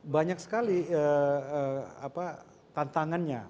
banyak sekali tantangannya